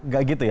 enggak gitu ya